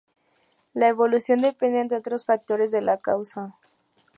La evolución depende entre otros factores de la causa.